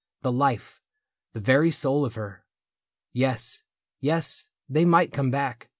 The life, the very soul of her. Yes, Yes, They might come back.